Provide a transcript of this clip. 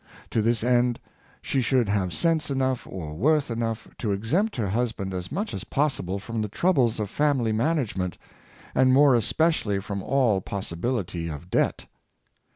To this end, she should have sense enough or worth enough to exempt her husband as much as possible from the troubles of family manage ment, and more especially from all possibility of debt.